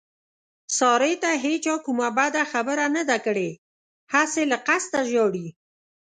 سارې ته هېچا کومه بده خبره نه ده کړې، هسې له قسته ژاړي.